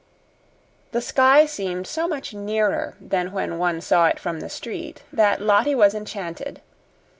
The sky seemed so much nearer than when one saw it from the street, that Lottie was enchanted.